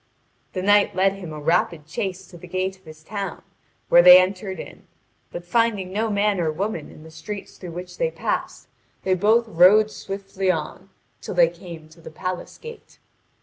The knight led him a rapid chase to the gate of his town, where they entered in; but finding no man or woman in the streets through which they passed, they both rode swiftly on till they came to the palace gate.